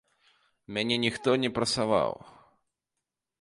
Мяне ніхто не прасаваў.